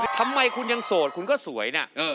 ทำไมคุณยังโสดคุณก็สวยนะ